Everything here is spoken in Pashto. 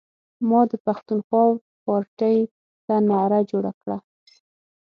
ما د پښتونخوا پارټۍ ته نعره جوړه کړه.